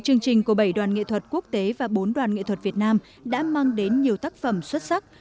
một mươi hai chương trình của bảy đoàn nghệ thuật quốc tế và bốn đoàn nghệ thuật việt nam đã mang đến nhiều tác phẩm xuất sắc